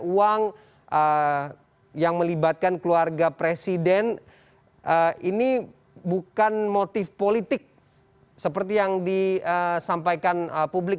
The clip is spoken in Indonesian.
uang yang melibatkan keluarga presiden ini bukan motif politik seperti yang disampaikan publik